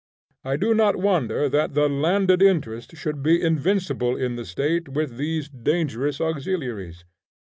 I do not wonder that the landed interest should be invincible in the State with these dangerous auxiliaries.